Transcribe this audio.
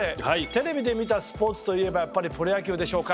テレビで見たスポーツといえばやっぱりプロ野球でしょうか？